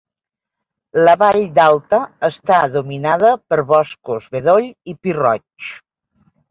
La vall d'Alta està dominada per boscos bedoll i pi roig.